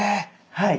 はい。